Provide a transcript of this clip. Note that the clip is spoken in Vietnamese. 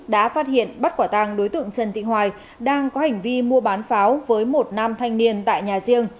đã phát hiện bắt quả tàng đối tượng trần thị hoài đang có hành vi mua bán pháo với một nam thanh niên tại nhà riêng